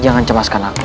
jangan cemaskan aku